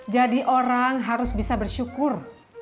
jadi orang harus bisa bersyukur